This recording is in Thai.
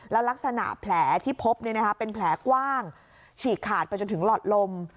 แล้วลักษณะแผลที่พบเป็นแผลกว้างฉีกขาดไปจนถึงหลอดลม